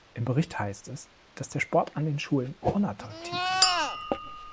Im Bericht heißt es, dass der Sport an den Schulen unattraktiv ist.